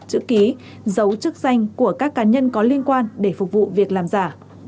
chữ ký giấu chức danh của các cá nhân có liên quan để phục vụ việc làm giả